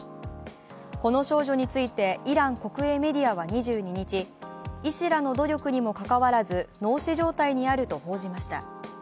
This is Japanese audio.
この少女について、イラン国営メディアは２２日、医師らの努力にもかかわらず脳死状態にあると報じました。